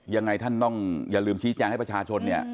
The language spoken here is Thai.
ยังไงท่านต้องอย่าลืมชี้แจงให้ประชาชนเนี่ย